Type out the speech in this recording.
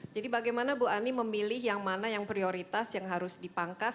jadi bagaimana bu ani memilih yang mana yang prioritas yang harus dipangkas